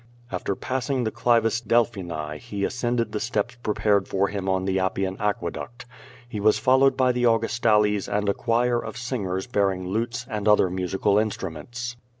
After passing the Clivus Delphini he ascended the steps prepared for him on the Appian Aqueduct. He was followed by the Augustales and a choir of singers bearing lutes and other musical instruments.